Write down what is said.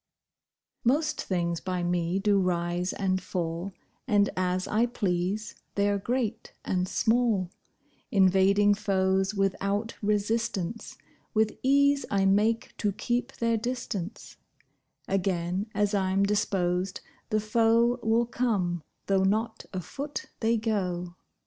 Most things by me do rise and fall, And, as I please, they're great and small; Invading foes without resistance, With ease I make to keep their distance: Again, as I'm disposed, the foe Will come, though not a foot they go.